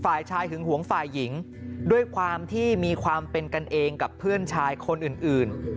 ฝ่ายชายหึงหวงฝ่ายหญิงด้วยความที่มีความเป็นกันเองกับเพื่อนชายคนอื่น